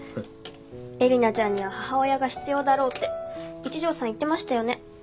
えりなちゃんには母親が必要だろうって一条さん言ってましたよね。